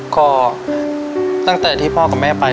ก็ตั้งแต่ที่พ่อกับแม่ไป